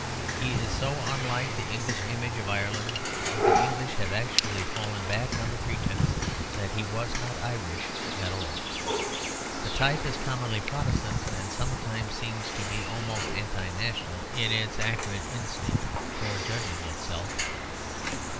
He is so unlike the English image of Ireland that the English have actually fallen back on the pretence that he was not Irish at all. The type is commonly Protestant; and sometimes seems to be almost anti national in its acrid instinct for judging itself.